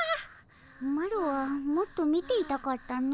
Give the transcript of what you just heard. マロはもっと見ていたかったの。